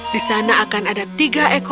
di sana akan ada tiga ekor